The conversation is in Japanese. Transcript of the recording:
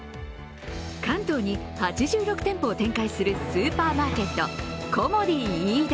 関東に８６店舗を展開するスーパーマーケット、コモディイイダ。